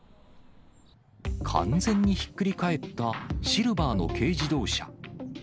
完全にひっくり返った、シルバーの軽自動車。